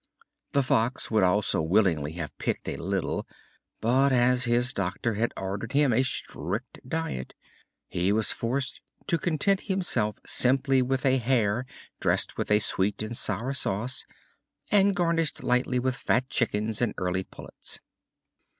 The Fox would also willingly have picked a little, but as his doctor had ordered him a strict diet, he was forced to content himself simply with a hare dressed with a sweet and sour sauce, and garnished lightly with fat chickens and early pullets.